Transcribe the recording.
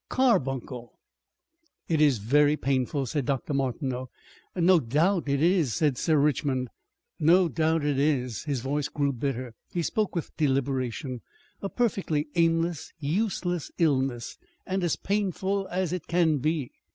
Carbuncle!" "It is very painful," said Dr. Martineau. "No doubt it is," said Sir Richmond. "No doubt it is." His voice grew bitter. He spoke with deliberation. "A perfectly aimless, useless illness, and as painful as it CAN be."